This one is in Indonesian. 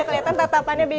kelihatan tatapannya beda kan